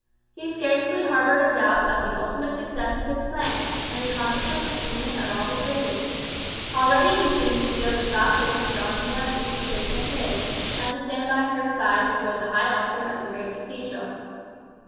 He scarcely harboured a doubt of the ultimate success of his plans, and the consequent attainment of all his wishes. Already he seemed to feel the soft hand of Doña Beatriz in his, and to stand by her side before the high altar of the great Cathedral.